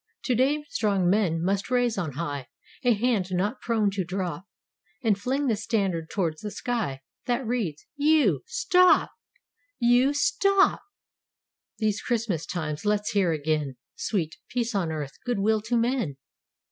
Today strong men must raise on high A hand not prone to drop, And fling the standard towards the sky That reads: ''You stopT "You stopT These Christmas times, let's hear again— Sweet "Peace on Earth, Good Will to Men!"